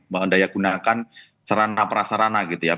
memberdaya gunakan sarana perasarana gitu ya